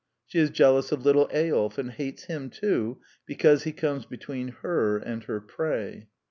She is jealous of little Eyolf, and hates him too, because he comes between her and her prey.